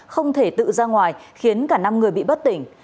không thể tự ra ngoài khiến cả năm người bị bất tỉnh